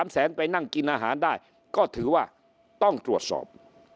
แสนไปนั่งกินอาหารได้ก็ถือว่าต้องตรวจสอบ